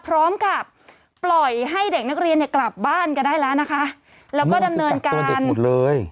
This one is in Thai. พร้อมกับปล่อยให้เด็กนักเรียนเนี่ยกลับบ้านกันได้แล้วนะคะแล้วก็ดำเนินการหมดเลย